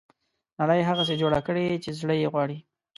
نړۍ هغسې جوړه کړي چې زړه یې غواړي.